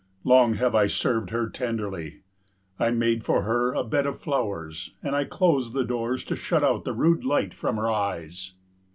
Long have I served her tenderly. I made for her a bed of flowers and I closed the doors to shut out the rude light from her eyes.